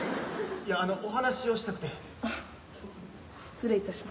いやあのお話をしたくて。